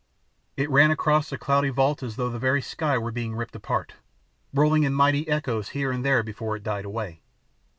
It ran across the cloudy vault as though the very sky were being ripped apart, rolling in mighty echoes here and there before it died away.